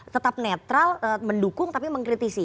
tetap netral mendukung tapi mengkritisi